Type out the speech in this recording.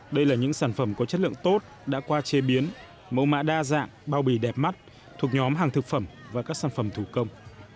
đây là những sản phẩm có chất lượng tốt đã qua chế biến mẫu mã đa dạng bao bì đẹp mắt thuộc nhóm hàng thực phẩm và các sản phẩm thủ công